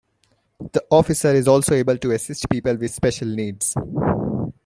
The officer is also able to assist people with special needs.